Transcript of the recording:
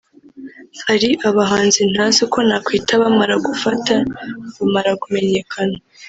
“Hari abahanzi ntazi uko nakwita bamara kugafata(bamara kumenyekana)